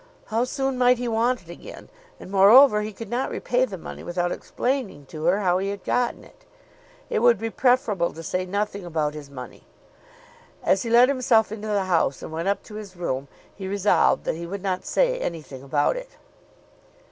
How soon might he want it again? And, moreover, he could not repay the money without explaining to her how he had gotten it. It would be preferable to say nothing about his money. As he let himself into the house and went up to his room he resolved that he would not say anything about it.